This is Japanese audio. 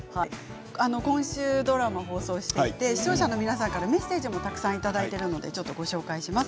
今週ドラマを放送していて視聴者の皆さんからメッセージもたくさんいただいているのでご紹介します。